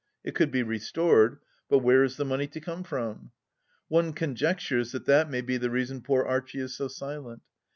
It could be restored, but where is the money to come from ?... One conjectures that that may be the reason poor Archie is so silent